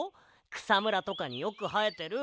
くさむらとかによくはえてる。